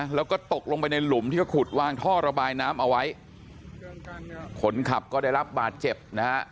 แล้วก็ตกลงไปในหลุมที่เขาขุดวางท่อระบายน้ำเอาไว้คนขับก็ได้รับบาดเจ็บนะฮะ